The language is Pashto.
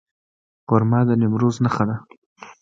خرما د نیمروز نښه ده.